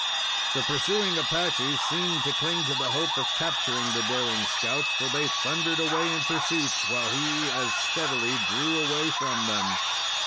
The pursuing Apaches seemed to cling to the hope of capturing the daring scout, for they thundered away in pursuit, while he as steadily drew away from them.